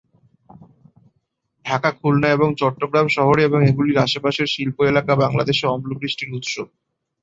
ঢাকা, খুলনা ও চট্টগ্রাম শহরে এবং এগুলির আশপাশের শিল্প এলাকা বাংলাদেশে অম্লবৃষ্টির উৎস।